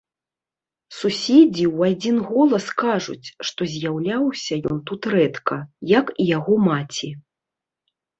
Суседзі ў адзін голас кажуць, што з'яўляўся ён тут рэдка, як і яго маці.